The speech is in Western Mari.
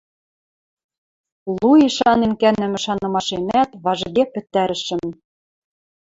Лу и шанен кӓнӹмӹ шанымашемӓт важге пӹтӓрӹшӹм.